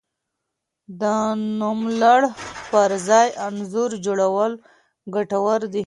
د نوملړ پر ځای انځور جوړول ګټور دي.